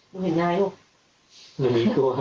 มีอะไรนะเห็นอะไร